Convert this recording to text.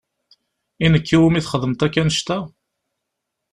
I nekk i wumi txedmeḍ akk annect-a?